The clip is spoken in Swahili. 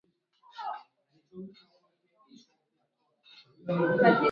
Wanajeshi wa kitengo cha anga Marekani wamepelekwa Poland